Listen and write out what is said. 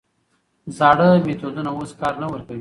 زاړه میتودونه اوس کار نه ورکوي.